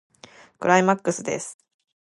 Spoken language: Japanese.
クライマックスです。